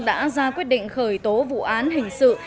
đã ra quyết định khởi tố vụ án hình sự